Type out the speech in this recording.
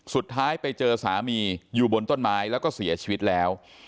สุดท้ายไปเจอสามีอยู่บนต้นไม้แล้วก็เสียชีวิตแล้ว